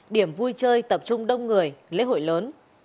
điểm vui chơi tập trung đông người lễ hội lớn